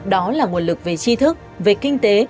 đó là nguồn lực về chi thức về kinh tế